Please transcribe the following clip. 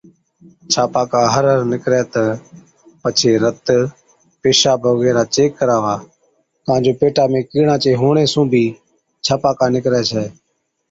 ڇاپاڪا هر هر نِڪرَي تہ پڇي رت، پيشاب وغيره چيڪ ڪراوا ڪان جو پيٽا ۾ ڪِيڙان چي هُوَڻي سُون بِي ڇاپاڪا نِڪرَي ڇَي،